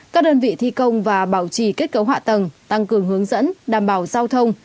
các đơn vị thi công và bảo trì kết cấu hạ tầng tăng cường hướng dẫn đảm bảo giao thông